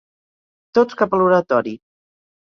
Tots cap a l'oratori.